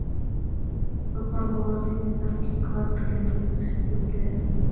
په پانګوالي نظام کې کار ټولنیز خصلت لري